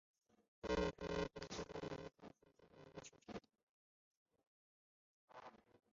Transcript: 东平尾公园博多之森球技场在福冈县福冈市博多区的东平尾公园内的球场。